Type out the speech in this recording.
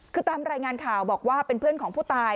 คือตามรายงานข่าวบอกว่าเป็นเพื่อนของผู้ตาย